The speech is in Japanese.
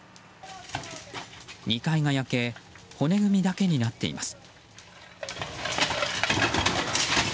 ２階が焼け骨組みだけになっています。